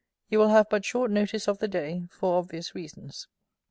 You will have but short notice of the day, for obvious reasons.